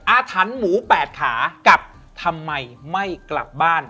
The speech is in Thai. อาทันหมูแปดขากลับทำไมไม่กลับบ้าน